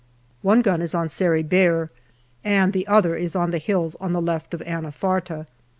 One gun is on Sari Bair and the other is on the hills on the left of Anafarta.